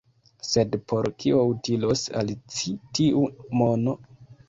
Sed por kio utilos al ci tiu mono?